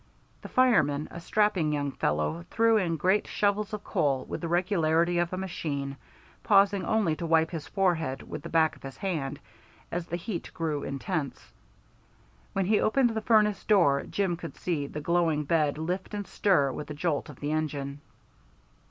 The fireman, a strapping young fellow, threw in great shovels of coal with the regularity of a machine, pausing only to wipe his forehead with the back of his hand as the heat grew intense. When he opened the furnace door, Jim could see the glowing bed lift and stir with the jolt of the engine.